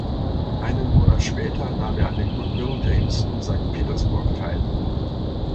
Einen Monat später nahm er an den Goodwill Games in Sankt Petersburg teil.